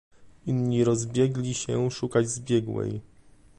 "Inni rozbiegli się szukać zbiegłej."